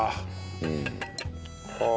うん。はあ。